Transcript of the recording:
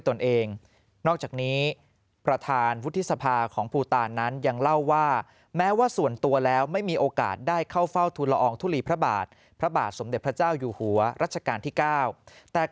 เพราะฉะนั้นคุณจะแสดงสัมพันธ์ที่มนุษย์แสดงสัมพันธ์